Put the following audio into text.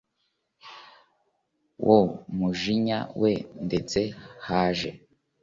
wo mujinya we ndetse haje